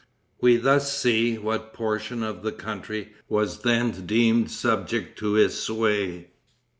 We thus see what portion of the country was then deemed subject to his sway.